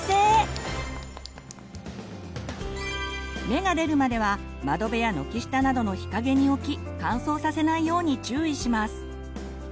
芽が出るまでは窓辺や軒下などの日かげに置き乾燥させないように注意します。